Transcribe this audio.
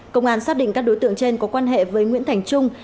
công an xác định các đối tượng trên có quan hệ với nguyễn thành trung